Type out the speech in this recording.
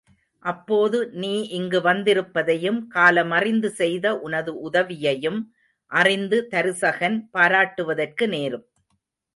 அப்போது நீ இங்கு வந்திருப்பதையும் காலமறிந்து செய்த உனது உதவியையும் அறிந்து தருசகன் பாராட்டுவதற்கு நேரும்.